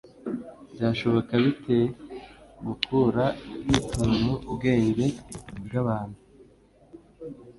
Byashoboka bite gukura tnu bwenge bw'abantu